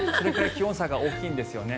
気温差が大きいんですね。